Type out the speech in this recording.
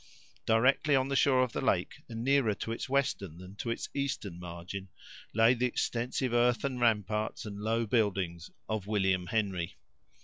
Directly on the shore of the lake, and nearer to its western than to its eastern margin, lay the extensive earthen ramparts and low buildings of William Henry.